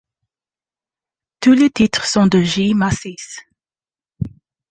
Tous les titres sont de J Mascis.